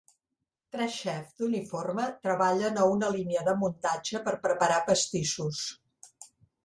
Tres xefs d'uniforme treballen a una línia de muntatge per preparar pastissos.